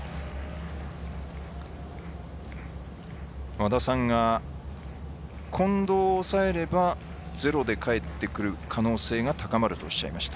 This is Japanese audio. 和田さんが近藤を抑えればゼロでかえってくる可能性が高まるとおっしゃいました。